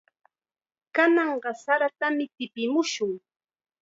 Kananqa saratam tipimushun.